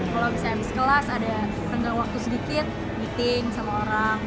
kalau misalnya habis kelas ada renggang waktu sedikit meeting sama orang